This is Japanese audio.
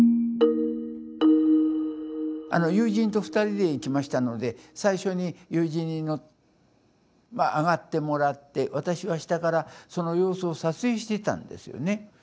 あの友人と２人で行きましたので最初に友人に上がってもらって私は下からその様子を撮影してたんですよね。